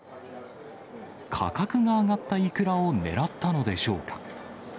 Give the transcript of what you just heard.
価格が上がったイクラを狙ったのでしょうか。